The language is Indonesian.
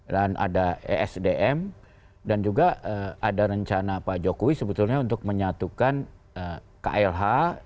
dan ada esdm dan juga ada rencana pak jokowi sebetulnya untuk menyatukan klh